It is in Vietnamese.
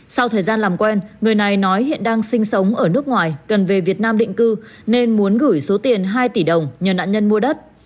sau thời gian làm quen người này nói hiện đang sinh sống ở nước ngoài cần về việt nam định cư nên muốn gửi số tiền hai tỷ đồng nhờ nạn nhân mua đất